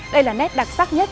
đây là nét đặc sắc nhất